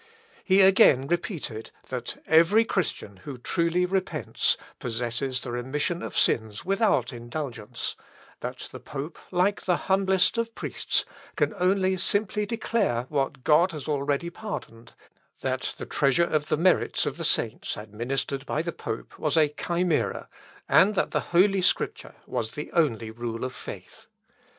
He again repeated, that every Christian who truly repents possesses the remission of sins without indulgence; that the pope, like the humblest of priests, can only declare simply what God has already pardoned; that the treasure of the merits of the saints administered by the pope was a chimera, and that Holy Scripture was the only rule of faith.